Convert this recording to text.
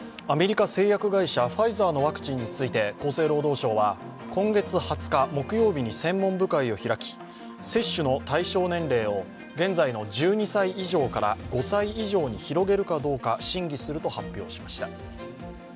アメリカ製薬会社、ファイザーのワクチンについて厚生労働省は今月２０日木曜日に専門部会を開き、接種の対象年齢を現在の１２歳以上から５歳以上に広げるかどうか審議すると発表しました。